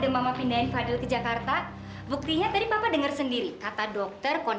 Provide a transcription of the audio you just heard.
memangnya mas gak tau